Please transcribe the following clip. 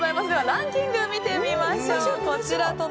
ランキング見てみましょう。